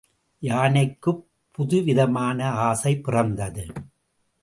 யானைக்குப் புதுவிதமான ஆசை பிறந்தது.